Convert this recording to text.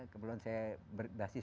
kebetulan saya berdasi saya